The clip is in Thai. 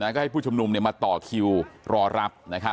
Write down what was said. ก็ให้ผู้ชุมนุมมาต่อคิวรอรับ